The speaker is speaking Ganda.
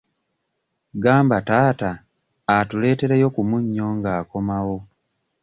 Gamba taata atuleetereyo ku munnyo nga akomawo.